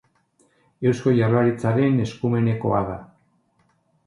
Eusko Jaurlaritzaren eskumenekoa da.